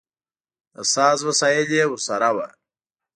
د ساز وسایل یې ورسره و.